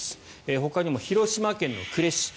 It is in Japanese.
ほかにも広島県呉市。